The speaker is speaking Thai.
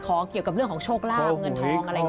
ขอเกี่ยวกับเรื่องของโชคลาภเงินทองอะไรอย่างงี้ใช่ไหมค่ะ